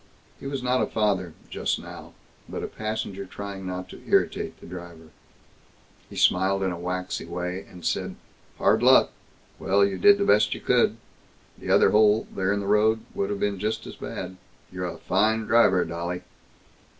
He was not a father, just now, but a passenger trying not to irritate the driver. He smiled in a waxy way, and said, "Hard luck! Well, you did the best you could. The other hole, there in the road, would have been just as bad. You're a fine driver, dolly."